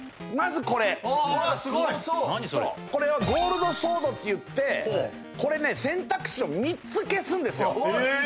まずこれおおすごそうこれはゴールドソードっていってこれね選択肢を３つ消すんですよへえ